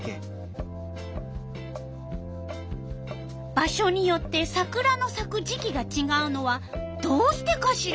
場所によってサクラのさく時期がちがうのはどうしてかしら？